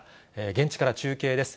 現地から中継です。